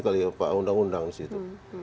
apa undang undang disitu